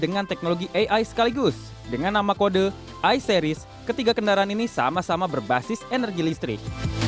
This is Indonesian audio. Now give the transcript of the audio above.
dengan teknologi ai sekaligus dengan nama kode eye series ketiga kendaraan ini sama sama berbasis energi listrik